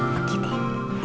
pak kiki mantap